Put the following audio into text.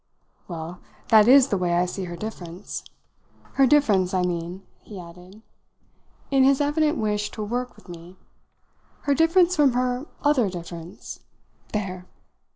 "Well, that is the way I see her difference. Her difference, I mean," he added, in his evident wish to work with me, "her difference from her other difference! There!"